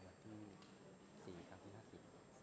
ออกรางวัลที่สี่